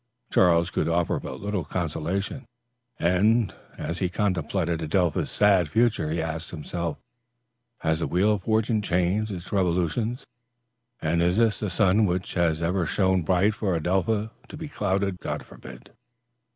Charles could offer but little consolation, and, as he contemplated Adelpha's sad future, he asked himself: "Has the wheel of fortune changed its revolutions, and is the sun which has ever shone bright for Adelpha to be clouded? God forbid!"